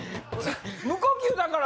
「無呼吸だから」